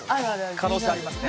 可能性ありますね。